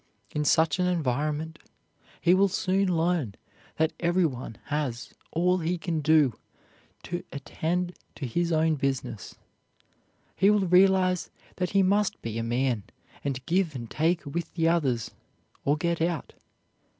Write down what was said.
In such an environment he will soon learn that everyone has all he can do to attend to his own business. He will realize that he must be a man and give and take with the others, or get out.